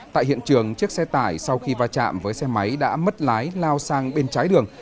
tại hiện trường chiếc xe tải sau khi va chạm với xe máy đã mất lái lao sang bên trái đường